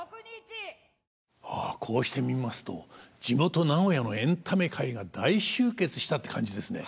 ああこうして見ますと地元名古屋のエンタメ界が大集結したって感じですね。